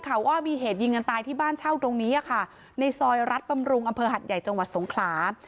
ข่าวว่ามีเหตุยิงกันตายที่บ้านเช่าตรงนี้ค่ะในซอยรัฐบำรุงอำเภอหัดใหญ่จังหวัดสงขลา